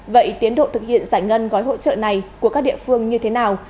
vậy tiến độ thực hiện giải ngân gói hỗ trợ này của các địa phương như thế nào